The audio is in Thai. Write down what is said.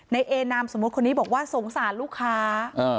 ในเอนามสมมุติคนนี้บอกว่าสงสารลูกค้า